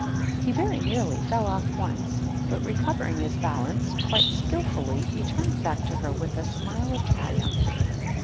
He very nearly fell off once, but recovering his balance quite skilfully, he turned back to her with a smile of triumph.